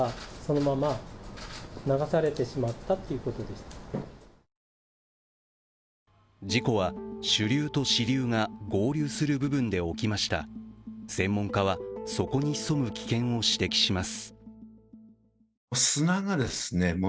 しかし事故は主流と支流が合流する部分で起きました専門家は、そこに潜む危険を指摘します。